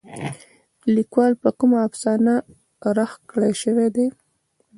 د ليکوال په کومه افسانه رغ کړے شوې ده.